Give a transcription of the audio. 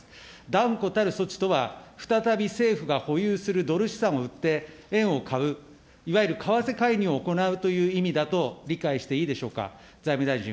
断固たる措置とは、再び政府が保有するドル資産を売って円を買う、いわゆる為替介入を行うという意味だと理解していいでしょうか。